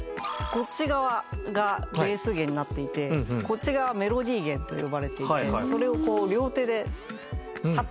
こっち側がベース弦になっていてこっち側はメロディ弦と呼ばれていてそれをこう両手でタッピングをして。